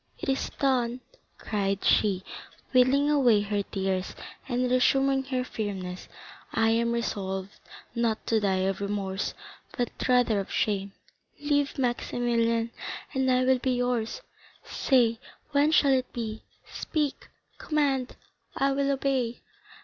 It is done," cried she, wiping away her tears, and resuming her firmness, "I am resolved not to die of remorse, but rather of shame. Live, Maximilian, and I will be yours. Say when shall it be? Speak, command, I will obey."